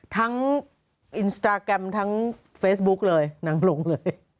อินสตราแกรมทั้งเฟซบุ๊กเลยนางลงเลย